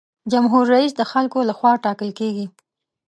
جمهور رئیس د خلکو له خوا ټاکل کیږي.